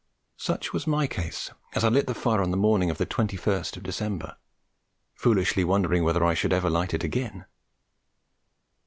Such was my case as I lit the fire on the morning of the 21st of December, foolishly wondering whether I should ever light it again.